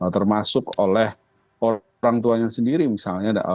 termasuk oleh orang tuanya sendiri misalnya